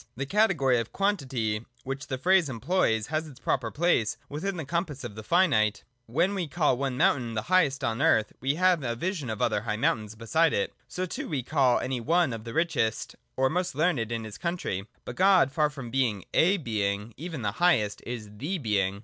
The category of quantity which the phrase employs has its proper place within the compass of the finite. When we call one mountain the highest on the earth, we have a vision of other high VOL. II. P 2IO THE DOCTRINE OF ESSENCE. [112. mountains beside it. So too when we call any one the richest or most learned in his country. But God, far from being a Being, even the highest, is the Being.